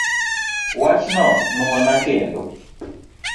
Wachno nuona kendo